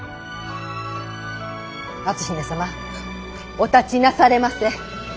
篤姫様お立ちなされませ。